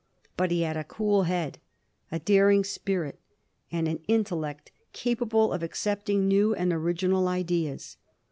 But he had a cool head, a daring spirit, and an intellect capable of accepting new and original ideas.